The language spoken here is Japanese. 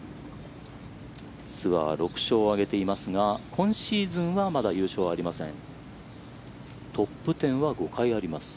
ツアー６勝を挙げていますが今シーズンはまだ優勝はありません。